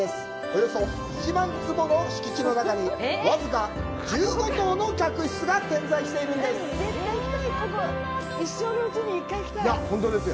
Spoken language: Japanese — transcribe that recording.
およそ１万坪の敷地の中に僅か１５棟の客室が点在しています。